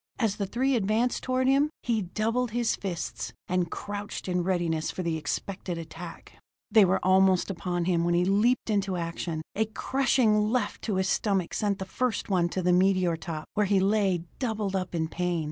As the three advanced toward him, he doubled his fists, and crouched in readiness for the expected attack. They were almost upon him when he leaped into action. A crushing left to his stomach sent the first one to the meteor top, where he lay doubled up in pain.